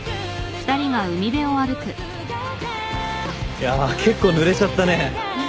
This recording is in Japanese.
いや結構ぬれちゃったね。